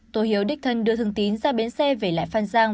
tô hiếu đích thân đưa thường tín ra bến xe về lại phan giang